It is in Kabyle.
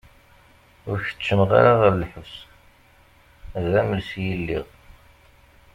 Ur keččmeɣ ara ɣer lḥebs, d amelsi i lliɣ.